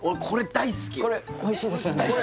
これおいしいですよね